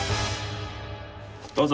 どうぞ！